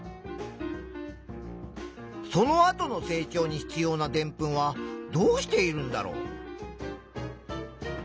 そのあとの成長に必要なでんぷんはどうしているんだろう。